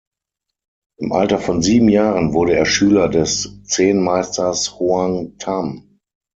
Im Alter von sieben Jahren wurde er Schüler des Zen-Meisters Hoang Tham.